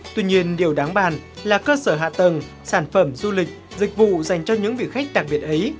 tuy nhiên điều đáng bàn là cơ sở hạ tầng sản phẩm du lịch dịch vụ dành cho những vị khách đặc biệt ấy